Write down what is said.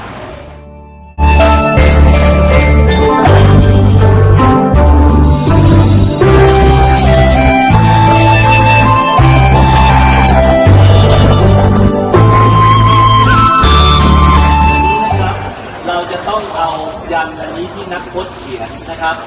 วันนี้นะครับเราจะต้องเอายันอันนี้ที่นักพจน์เขียนนะครับ